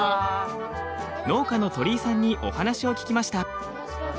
農家の鳥居さんにお話を聞きました。